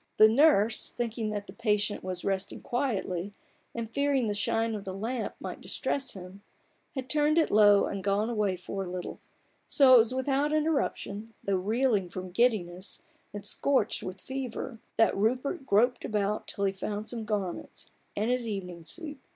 The nurse, thinking that the patient was resting quietly, and fearing the shine of the lamp might distress him, had turned it low and gone away for a little : so it was without interruption, although reeling from giddiness, and scorched with fever, that Rupert groped about till he found some garments, and his evening suit.